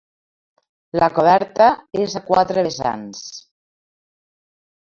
La coberta és a quatre vessants.